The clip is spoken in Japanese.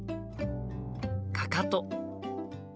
かかと。